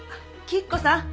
吉子さん！